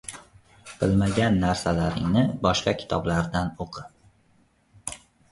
Bilmagan narsalaringni boshqa kitoblardan o‘qi.